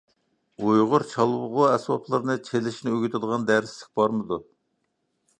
ئۇيغۇر چالغۇ ئەسۋابلىرىنى چېلىشنى ئۆگىتىدىغان دەرسلىك بارمىدۇ؟